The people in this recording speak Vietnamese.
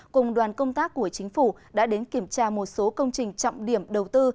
cùng đoàn công tác của chính phủ đã đến kiểm tra một số công trình trọng điểm đầu tư